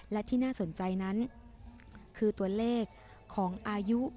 และที่น่าสนใจนั้นคือตัวเลขของอายุ